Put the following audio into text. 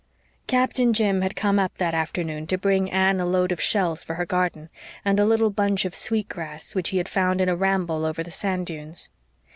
Captain Jim had come up that afternoon to bring Anne a load of shells for her garden, and a little bunch of sweet grass which he had found in a ramble over the sand dunes.